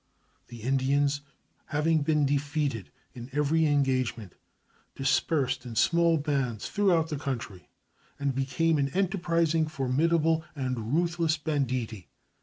The Indians, having been defeated in every engagement, dispersed in small bands throughout the country and became an enterprising, formidable, and ruthless banditti.